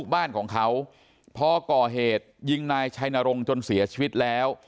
บ้านของเขาพอก่อเหตุยิงนายชัยนรงค์จนเสียชีวิตแล้ว